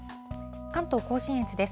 関東甲信越です。